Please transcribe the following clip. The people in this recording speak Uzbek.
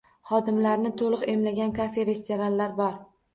Xodimlarini toʻliq emlagan kafe-restoranlar bor